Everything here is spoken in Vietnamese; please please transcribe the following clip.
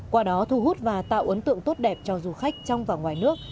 qua đó thu hút và tạo ấn tượng tốt đẹp cho du khách trong và ngoài nước